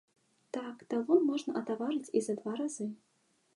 Так талон можна атаварыць і за два разы.